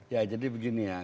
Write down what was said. ya jadi begini ya